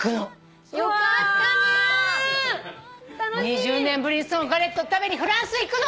２０年ぶりにそのガレットを食べにフランスへ行くの。